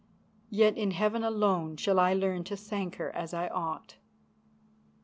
Yet in heaven alone shall I learn to thank her as I ought."